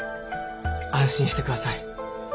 安心して下さい。